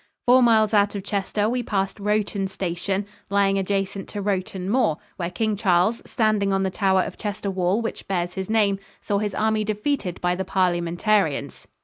Four miles out of Chester we passed Rowton Station, lying adjacent to Rowton Moor, where King Charles, standing on the tower of Chester Wall which bears his name, saw his army defeated by the Parliamentarians.